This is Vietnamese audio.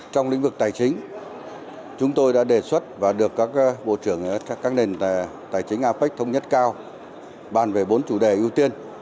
trong lĩnh vực tài chính chúng tôi đã đề xuất và được các bộ trưởng các nền tài chính apec thống nhất cao bàn về bốn chủ đề ưu tiên